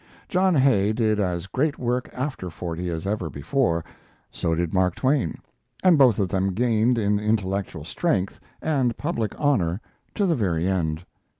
John Hay did as great work after forty as ever before, so did Mark Twain, and both of them gained in intellectual strength and public honor to the very end.